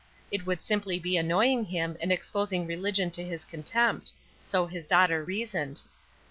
It would simply be annoying him and exposing religion to his contempt; so his daughter reasoned.